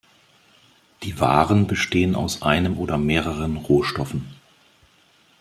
Die Waren bestehen aus einem oder mehreren Rohstoffen.